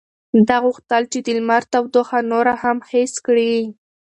ده غوښتل چې د لمر تودوخه نوره هم حس کړي.